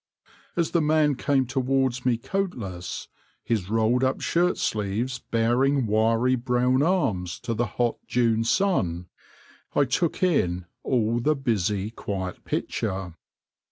As the man came towards me coatless, his rolled up shirt sleeves baring wiry brown arms to the hot June sun, I took in all the busy, quiet picture.